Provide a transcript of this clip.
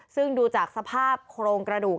ซึ่งดูจากสภาพโครงกระดูก